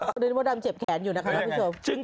ดูนึงว่าดำเจ็บแขนอยู่นะครับพี่ชม